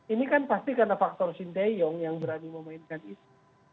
ini kan pasti karena faktor sinteyong yang berani memainkan itu